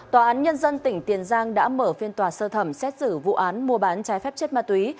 tòa án nhân dân tỉnh tiền giang đã mở phiên tòa sơ thẩm xét xử vụ án mua bán trái phép chất ma túy